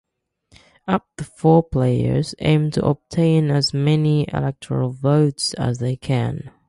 Up to four players aim to obtain as many electoral votes as they can.